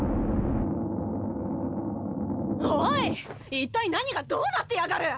一体何がどうなってやがる！